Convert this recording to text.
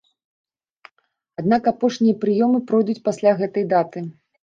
Аднак апошнія прыёмы пройдуць пасля гэтай даты.